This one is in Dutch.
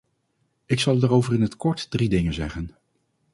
Ik zal daarover in het kort drie dingen zeggen.